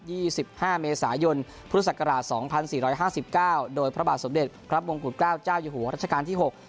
สิบห้าเมษายนพุทธศักราชสองพันสี่ร้อยห้าสิบเก้าโดยพระบาทสมเด็จพระมงกุฎเกล้าเจ้าอยู่หัวรัชกาลที่หก